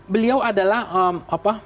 beliau adalah apa